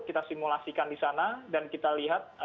kita simulasikan di sana dan kita lihat